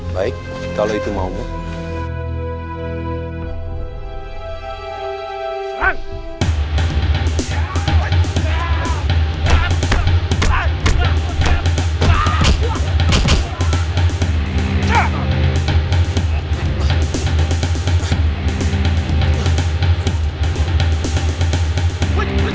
baik kalau itu maupun